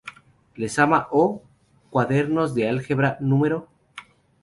Lezama, O., Cuadernos de Álgebra, No.